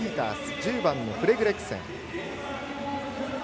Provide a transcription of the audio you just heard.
１０番のフレズレクセン。